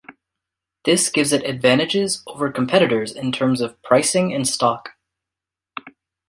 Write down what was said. This gives it advantages over competitors in terms of pricing and stock.